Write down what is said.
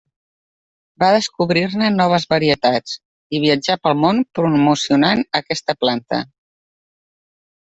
Va descobrir-ne noves varietats i viatjà pel món promocionant aquesta planta.